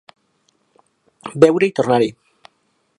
Beure i tornar-hi.